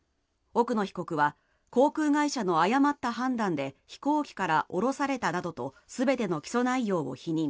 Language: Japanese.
奥野被告は航空会社の誤った判断で飛行機から降ろされたなどと全ての起訴内容を否認。